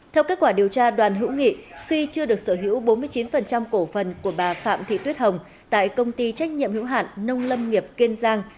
theo kết quả điều tra đoàn hữu nghị khi chưa được sở hữu bốn mươi chín cổ phần của bà phạm thị tuyết hồng tại công ty trách nhiệm hữu hạn nông lâm nghiệp kiên giang